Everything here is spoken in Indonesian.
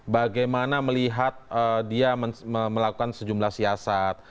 bagaimana melihat dia melakukan sejumlah siasat